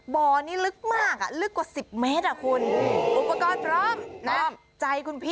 บ่อนี้ลึกมากอะลึกกว่าสิบเมตรอะคุณ